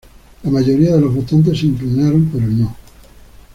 La mayoría de los votantes se inclinó por el no.